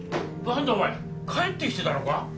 何だお前帰ってきてたのか？